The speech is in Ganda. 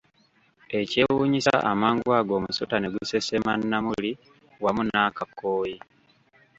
Ekyewunyiisa amangu ago omusota ne gusesema Namuli wamu n'akakooyi!